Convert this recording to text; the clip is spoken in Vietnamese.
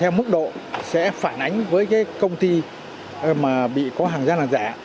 theo mức độ sẽ phản ánh với cái công ty mà bị có hàng gian hàng giả